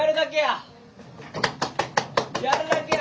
やるだけや！